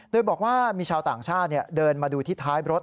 โดยบอกว่ามีชาวต่างชาติเดินมาดูที่ท้ายรถ